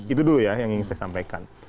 itu dulu ya yang ingin saya sampaikan